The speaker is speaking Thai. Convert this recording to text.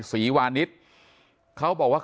ศรีวานิสเขาบอกว่า